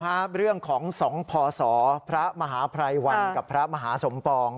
ภาพเรื่องของสองพอสอพระมหาพรายวัลกับพระมหาสมปอง